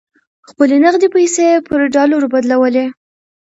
خپلې نغدې پیسې یې پر ډالرو بدلولې.